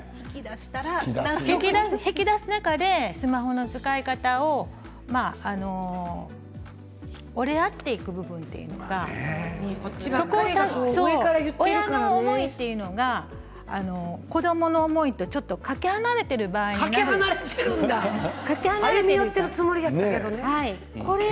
引き出す中でスマホの使い方を折り合っていく部分というか親の思いというのが子どもの思いと、ちょっとかけ離れている場合が歩み寄っているつもりだったんだけどね。